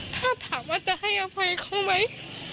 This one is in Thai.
ถ้าถามว่าจะให้อภัยเขาไหม